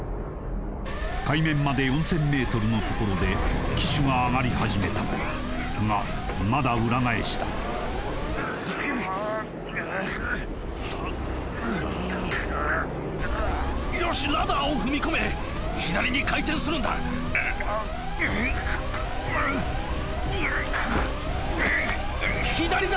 海面まで４０００ｍのところで機首が上がり始めたがまだ裏返しだよしラダーを踏み込め左に回転するんだ左だ！